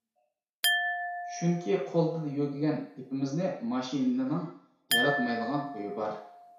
چۈنكى، قولدا يۆگىگەن يىپىمىزنى ماشىنىنىڭ ياراتمايدىغان خۇيى بار.